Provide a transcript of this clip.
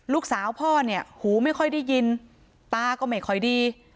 ลูกสาวพ่อเนี่ยหูไม่ค่อยได้ยินตาก็ไม่ค่อยดี